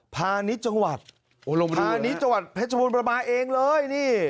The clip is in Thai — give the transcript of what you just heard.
พาณิชย์จังหวัดพาณิชย์จังหวัดเพชรบูรณประมาณเองเลยนี่